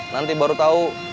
nanti baru tahu